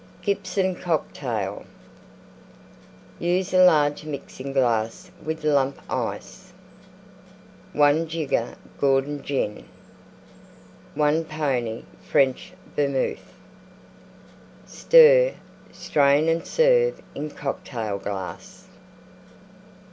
GIBSON COCKTAIL Use a large Mixing glass with Lump Ice. 1 jigger Gordon Gin. 1 pony French Vermouth. Stir; strain and serve in Cocktail glass.